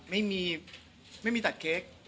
ไม่มีไม่มีตัดเค้ก